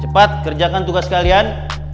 cepat kerjakan tugas kalian